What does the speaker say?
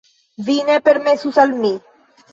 vi ne permesus al mi.